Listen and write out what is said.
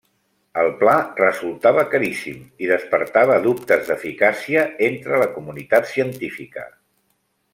El pla resultava caríssim i despertava dubtes d'eficàcia entre la comunitat científica.